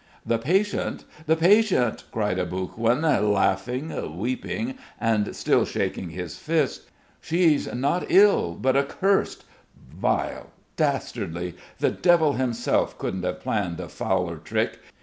"The patient, the patient," cried Aboguin, laughing, weeping, and still shaking his fists. "She's not ill, but accursed. Vile dastardly. The Devil himself couldn't have planned a fouler trick.